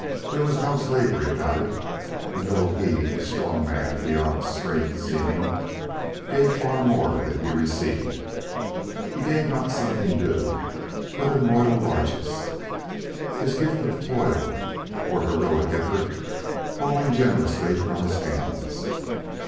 There was no slavery about it; and though he, a strong man beyond strength's seeming, gave far more than he received, he gave not something due but in royal largess, his gifts of toil or heroic effort falling generously from his hands.